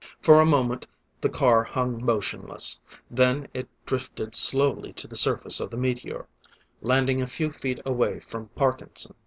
For a moment the car hung motionless, then it drifted slowly to the surface of the meteor, landing a few feet away from Parkinson.